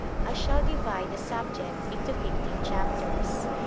I shall divide the subject into fifteen chapters.